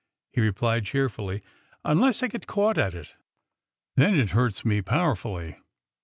" he replied cheerfully ;'' unless I get caught at it. Then it hurts me powerfully